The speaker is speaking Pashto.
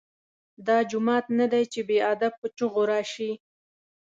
دا جومات نه دی چې بې ادب په چیغو راشې.